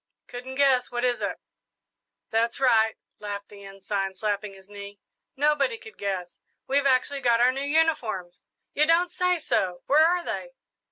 "Couldn't guess what is it?" "That's right," laughed the Ensign, slapping his knee; "nobody could guess. We've actually got our new uniforms!" "You don't say so! Where are they?"